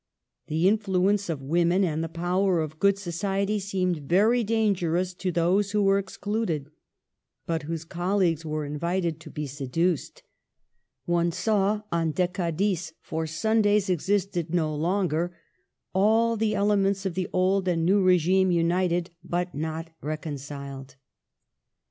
The influence of women and the power of good soci ety seemed very dangerous to those who were excluded, but whose colleagues were invited to Digitized by VjOOQIC 80 MADAME DE STA&L. be seduced. One saw on decadis, for Sundays existed no longer, all the elements of the old and new regime united, but not reconciled."